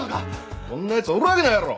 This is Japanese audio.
そんなやつおるわけないやろ！